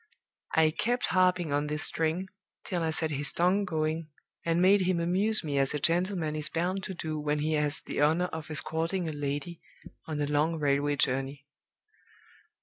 I kept harping on this string till I set his tongue going, and made him amuse me as a gentleman is bound to do when he has the honor of escorting a lady on a long railway journey.